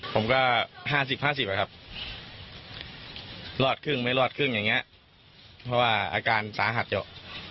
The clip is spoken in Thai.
ผมก็๕๐๕๐อะครับรอดครึ่งไม่รอดครึ่งอย่างนี้เพราะว่าอาการสาหัสอยู่